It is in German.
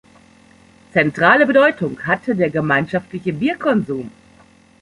Zentrale Bedeutung hatte der gemeinschaftliche Bierkonsum.